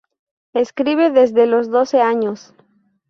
Escribe desde los doce años.